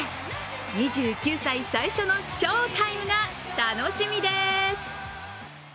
２９歳最初の翔タイムが楽しみです。